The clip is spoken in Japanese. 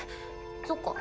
そっか。